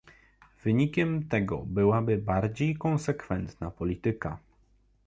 Wynikiem tego byłaby bardziej konsekwentna polityka